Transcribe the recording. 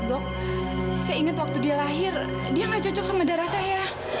saya ingat waktu dia lahir dia gak cocok sama darah saya